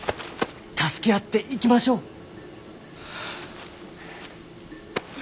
助け合っていきましょう。